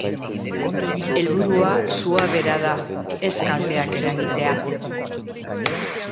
Helburua sua bera da, ez kalteak eragitea.